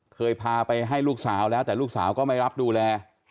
เคยพาไปให้ลูกสาวแล้วแต่ลูกสาวก็ไม่รับดูแล